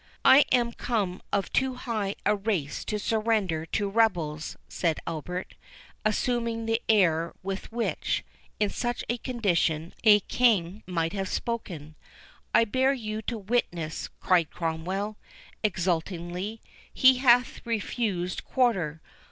"I am come of too high a race to surrender to rebels," said Albert, assuming the air with which, in such a condition, a king might have spoken. "I bear you to witness," cried Cromwell, exultingly, "he hath refused quarter.